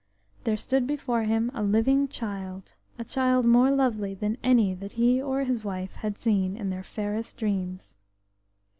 There stood before him a living child–a child more lovely than any that he or his wife had seen in their fairest dreams.